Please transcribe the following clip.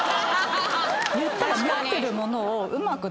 言ったら。